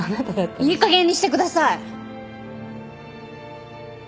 いいかげんにしてください！